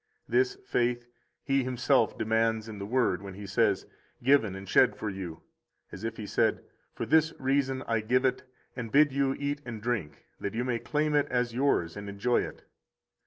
This faith He Himself demands in the Word when He says: Given and shed for you. As if He said: For this reason I give it, and bid you eat and drink, that you may claim it as yours and enjoy it.